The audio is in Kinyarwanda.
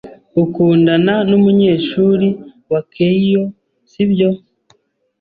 Ukundana numunyeshuri wa Keio, sibyo?